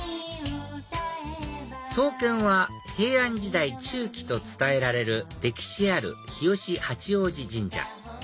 創建は平安時代中期と伝えられる歴史ある日吉八王子神社